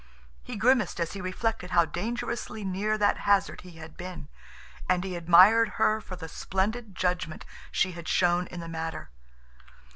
He grimaced as he reflected how dangerously near that hazard he had been—and he admired her for the splendid judgment she had shown in the matter.